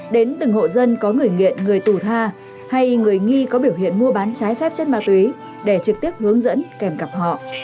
đến từng hộ dân có người nghiện người tù tha hay người nghi có biểu hiện mua bán trái phép chất ma túy để trực tiếp hướng dẫn kèm cặp họ